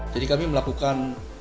jadi kami melakukan